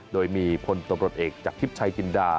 โดยมีพลตำรวจเอกจากทิพย์ชัยจินดา